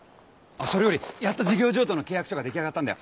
それよりやっと事業譲渡の契約書が出来上がったんだよ。